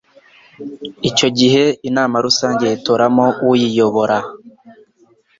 Icyo gihe Inama Rusange yitoramo uyiyobora